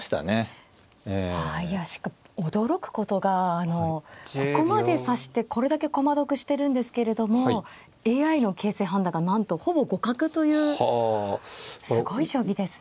驚くことがあのここまで指してこれだけ駒得してるんですけれどもＡＩの形勢判断がなんとほぼ互角というすごい将棋ですね。